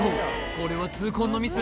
これは痛恨のミス